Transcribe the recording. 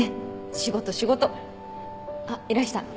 仕事仕事。あっいらした。